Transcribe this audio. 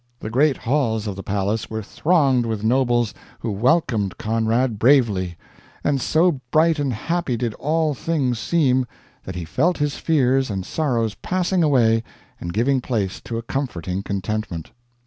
The great halls of the palace were thronged with nobles, who welcomed Conrad bravely; and so bright and happy did all things seem that he felt his fears and sorrows passing away and giving place to a comforting contentment.